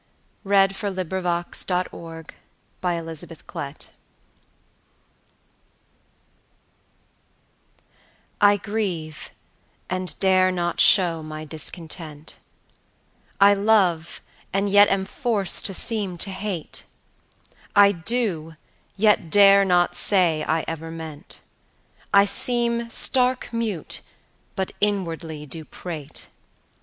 ON MONSIEUR'S DEPARTURE by Elizabeth I, Queen of England I grieve and dare not show my discontent; I love, and yet am forced to seem to hate; I do, yet dare not say I ever meant; I seem stark mute, but inwardly do prate.